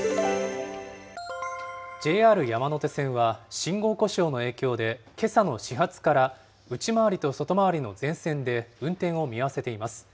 ＪＲ山手線は信号故障の影響で、けさの始発から内回りと外回りの全線で運転を見合わせています。